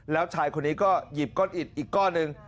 แล้วชายคนนี้ก็หยิบก้อนอิดอีกก้อนหนึ่ง